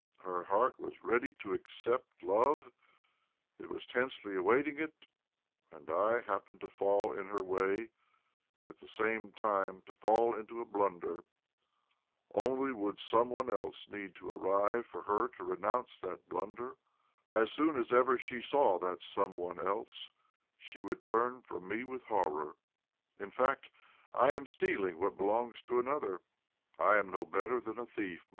Her heart was ready to accept love— it was tensely awaiting it— and I happened to fall in her way, and at the same tiirte to fall into OBLOMOV 187 a blunder. Only would some one else need to arrive for her to renounce that blunder. As soon as ever she saw that sortie one ;else she would turn from me with horror. In fact, I am stealing what belongs to another ; I am no better than a thief.